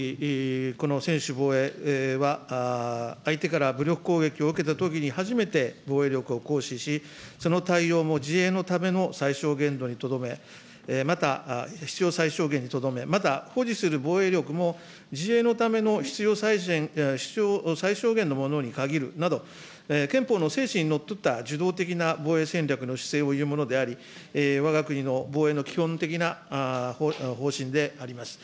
委員おっしゃるとおり、この専守防衛は、相手から武力攻撃を受けたときに、初めて防衛力を行使し、その対応も自衛のための最少限度にとどめ、また、必要最小限にとどめ、また保持する防衛力も、自衛のための必要最小限のものに限るなど、憲法の精神にのっとった受動的な防衛戦略の姿勢をいうものであり、わが国の防衛の基本的な方針であります。